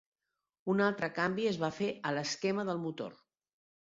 Un altre canvi es va fer a l"esquema del motor.